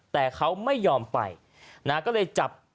แต่เขาไม่ยอมไปนะครับ